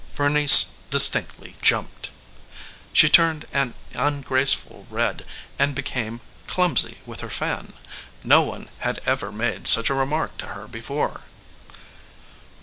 Bernice distinctly jumped. She turned an ungraceful red and became clumsy with her fan. No one had ever made such a remark to her before.